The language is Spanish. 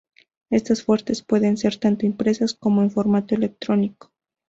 Estas fuentes pueden ser tanto impresas como en formato electrónico.